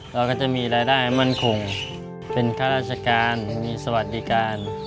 เราก็จะมีรายได้มั่นคงเป็นข้าราชการมีสวัสดิการ